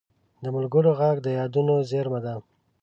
د ملګرو غږ د یادونو زېرمه ده